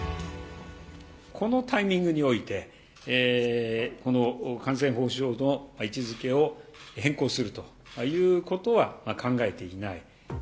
このタイミングにおいて、この感染症法上の位置づけを変更するということは考えていない。